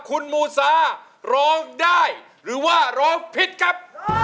คุณมู่ศาโรงได้หรือว่าโรงผิดครับ